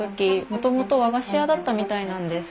もともと和菓子屋だったみたいなんです。